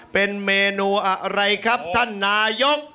เป็นเมนูอะไรครับท่านนายก